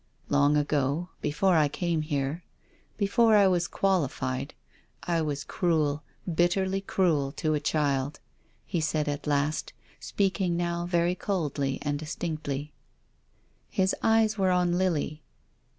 " Long ago — before I came here, before I was qualified, I was cruel, bitterly cruel to a child," he said at last, speaking now very coldly and distinctly. His eyes were on Lily.